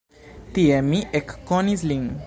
Tie mi ekkonis lin.